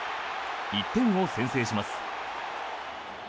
１点を先制します。